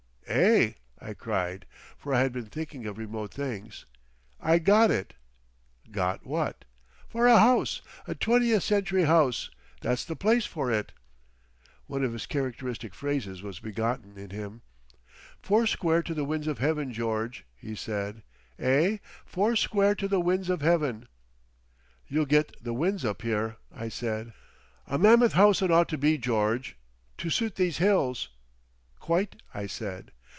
"Eh!" I cried—for I had been thinking of remote things. "I got it." "Got what?" "For a house!—a Twentieth Century house! That's the place for it!" One of his characteristic phrases was begotten in him. "Four square to the winds of heaven, George!" he said. "Eh? Four square to the winds of heaven!" "You'll get the winds up here," I said. "A mammoth house it ought to be, George—to suit these hills." "Quite," I said.